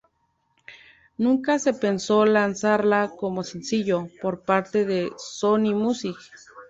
Nunca se pensó lanzarla como sencillo, por parte de Sony Music.